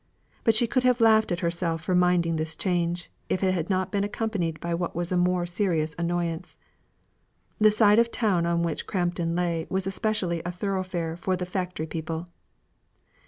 But she could have laughed at herself for minding this change, if it had not been accompanied by what was a more serious annoyance. The side of the town on which Crampton lay was especially a thoroughfare for the factory people.